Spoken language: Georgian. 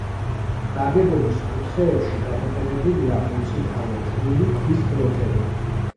ნაგებობის კუთხეებში გამოყენებულია მოწითალო თლილი ქვის ბლოკები.